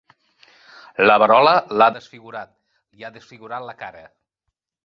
La verola l'ha desfigurat, li ha desfigurat la cara.